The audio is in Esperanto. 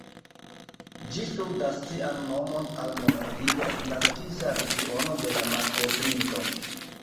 Ĝi ŝuldas sian nomon al Moravio, naskiĝa regiono de la malkovrinto.